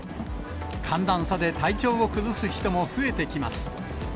寒暖差で体調を崩す人も増えてきます。